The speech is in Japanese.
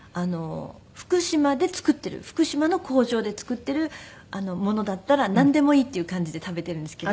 福島で作っている福島の工場で作っているものだったらなんでもいいっていう感じで食べているんですけど。